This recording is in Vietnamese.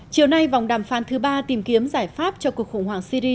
chiều nay vòng đàm phán thứ ba tìm kiếm giải pháp cho cuộc khủng hoảng syri